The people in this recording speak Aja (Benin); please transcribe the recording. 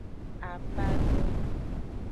Apado.